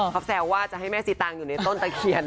เขาแซวว่าจะให้แม่สีตางอยู่ในต้นตะเคียน